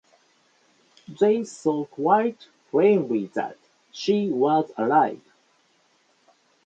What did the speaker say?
They saw quite plainly that she was alive.